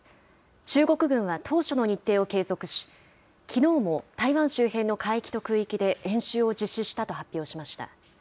中国軍は当初の日程を継続し、きのうも台湾周辺の海域と空域で、演習を実施したと発表しました。